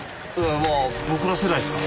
まあ僕ら世代っすからね。